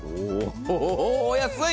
おお安い！